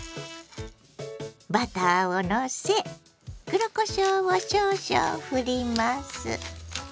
バターをのせ黒こしょうを少々ふります。